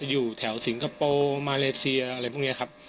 อยู่แถวสิงคโปร์มาเลเซียอะไรพวกนี้ครับ